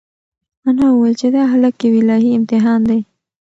انا وویل چې دا هلک یو الهي امتحان دی.